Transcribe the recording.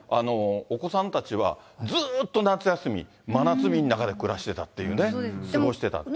お子さんたちはずっと夏休み、真夏日の中で暮らしてたっていうね、過ごしてたという。